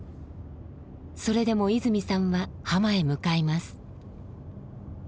それでも泉さんは浜へ向かいます。